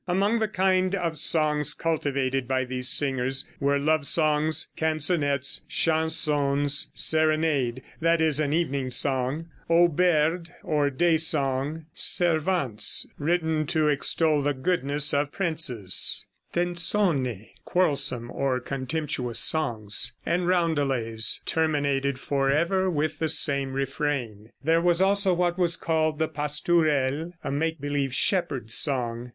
Among the kind of songs cultivated by these singers were love songs, canzonets, chansons; serenade that is, an evening song; auberde, or day song; servantes, written to extol the goodness of princes; tenzone, quarrelsome or contemptuous songs; and roundelays, terminated forever with the same refrain. There was also what was called the pastourelle, a make believe shepherd's song.